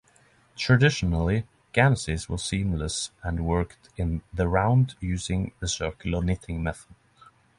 Traditionally, Ganseys were seamless and worked in the round using the circular knitting method.